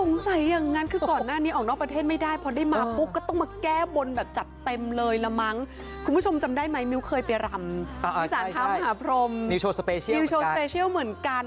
สงสัยอย่างนั้นก่อนหน้านี้ออกนอกประเทศไม่ได้เพราะพอได้มาปุ๊กก็ต้องมาแก้บนแบบจัดเต็มเลยละมั้ง